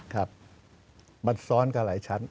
ครับมันซ้อนกันหลายชั้น